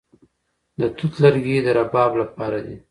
د توت لرګي د رباب لپاره دي.